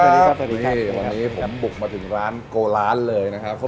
สวัสดีครับวันนี้ผมบุกมาถึงร้านโกร้านเลยนะครับ